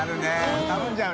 うん頼んじゃう。